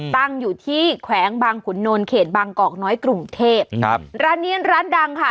ตั้งอยู่ที่แขวงบางขุนนลเขตบางกอกน้อยกรุงเทพครับร้านนี้ร้านดังค่ะ